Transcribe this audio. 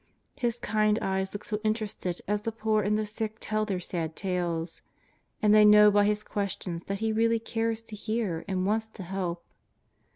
His kind eyes look so interested as the poor and the sick tell their sad tales. And they know by His questions that He really cares to hear and wants to help.